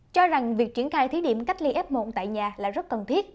cho rằng việc triển khai thí điểm cách ly f một tại nhà là rất cần thiết